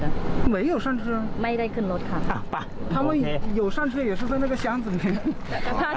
ตอนนั้นมีสถานการณ์จะถึงท่าลังกอง